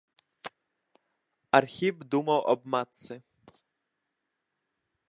Архіп думаў аб матцы.